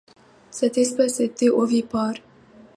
Cette espèce était ovipare.